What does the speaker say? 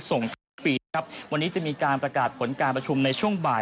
ส่งทุกปีนะครับวันนี้จะมีการประกาศผลการประชุมในช่วงบ่าย